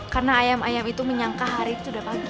karena ayam ayam itu menyangka hari itu udah pagi